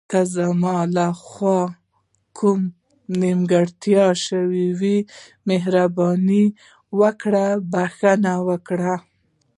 که زما له خوا کومه نیمګړتیا شوې وي، مهرباني وکړئ بښنه وکړئ.